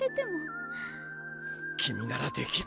君ならできる！